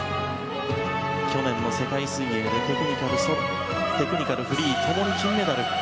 去年の世界水泳テクニカル、フリー共に金メダル。